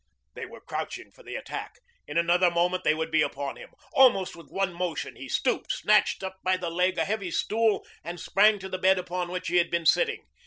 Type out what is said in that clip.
They were crouching for the attack. In another moment they would be upon him. Almost with one motion he stooped, snatched up by the leg a heavy stool, and sprang to the bed upon which he had been sitting.